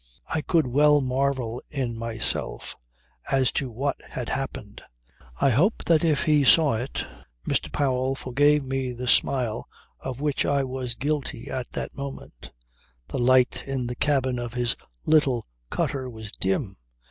I could well marvel in myself, as to what had happened. I hope that if he saw it, Mr. Powell forgave me the smile of which I was guilty at that moment. The light in the cabin of his little cutter was dim.